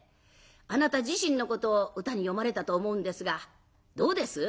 あなた自身のことを歌に詠まれたと思うんですがどうです？